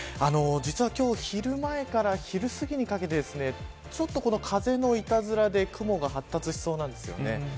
実は今日昼前から昼すぎにかけてちょっと風のいたずらで雲が発達しそうなんです。